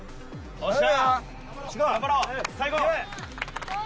・よっしゃ！